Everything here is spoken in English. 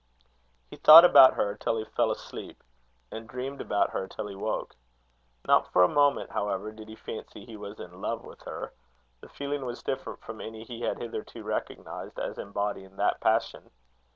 He thought about her till he fell asleep, and dreamed about her till he woke. Not for a moment, however, did he fancy he was in love with her: the feeling was different from any he had hitherto recognized as embodying that passion.